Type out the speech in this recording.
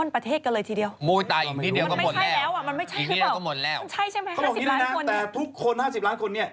เป็นยังสิ้น๘คดี